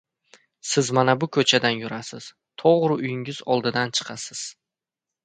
Siz mana bu ko‘chadan yurasiz, to‘g‘ri uyingiz oldidan chiqasiz!